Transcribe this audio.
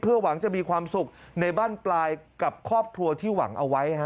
หวังจะมีความสุขในบ้านปลายกับครอบครัวที่หวังเอาไว้